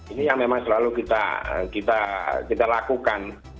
ini yang memang selalu kita lakukan